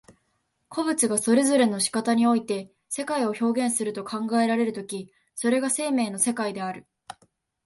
個物がそれぞれの仕方において世界を表現すると考えられる時、それが生命の世界である。